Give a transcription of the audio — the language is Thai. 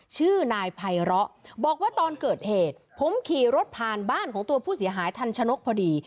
ชื่อนายไพร้อบอกว่าตอนเกิดเหตุผมขี่รถผ่านบ้านของตัวผู้เสียหายทันชนกพอดี